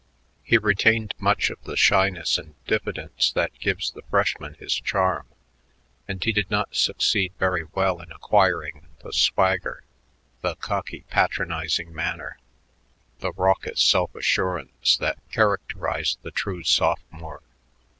He retained much of the shyness and diffidence that gives the freshman his charm, and he did not succeed very well in acquiring the swagger, the cocky, patronizing manner, the raucous self assurance that characterize the true sophomore.